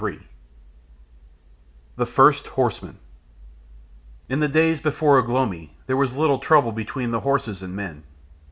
III THE FIRST HORSEMAN In the days before Ugh lomi there was little trouble between the horses and men.